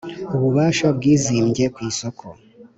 Ububasha bwizimbye ku isoko